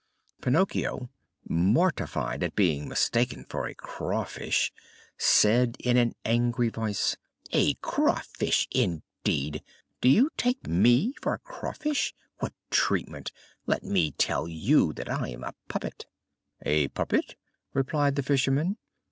Pinocchio, mortified at being mistaken for a craw fish, said in an angry voice: "A craw fish indeed! Do you take me for a craw fish? what treatment! Let me tell you that I am a puppet." "A puppet?" replied the fisherman.